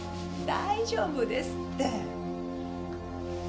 大丈夫ですって。